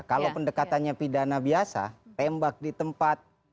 kalau pendekatannya pidana biasa tembak di tempat